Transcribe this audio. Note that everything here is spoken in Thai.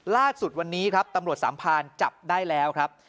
ล่าสุดวันนี้ครับตำรวจสามพานจับได้แล้วครับ